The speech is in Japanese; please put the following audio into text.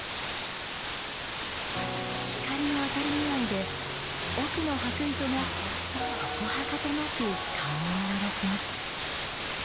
光の当たり具合で、奥の箔糸が、そこはかとなく顔を現します。